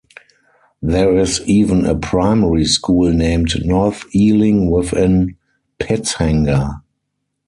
There is even a primary school named North Ealing within Pitshanger.